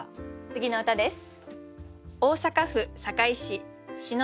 次の歌です。